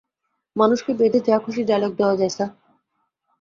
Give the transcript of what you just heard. মানুষকে বেঁধে যা খুশি ডায়লগ দেয়া যায়, স্যার!